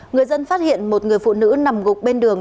người dân phát hiện một người phụ nữ nằm gục bên đường